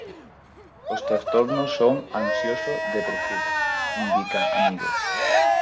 Os trastornos son ansioso depresivos, indica Amigo.